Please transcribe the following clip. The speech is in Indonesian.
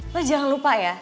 lo jangan lupa ya